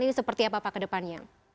ini seperti apa pak kedepannya